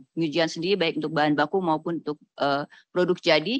pengujian sendiri baik untuk bahan baku maupun untuk produk jadi